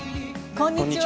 こんにちは。